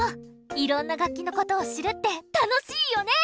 いろんな楽器のことを知るって楽しいよね！